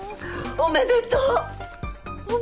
おめでとう！